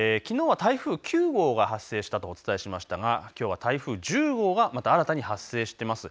きのうは台風９号が発生したとお伝えしましたが、きょうは台風１０号がまた新たに発生しています。